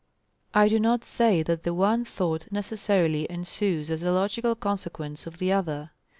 I do not say that the one thought necessarily ensues as a logical consequence of the other.